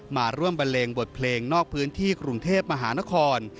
มาร่วมบันเลงบทเพลงนอกพื้นที่กรุงเทพมหานคร